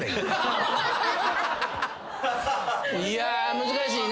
いや難しいな。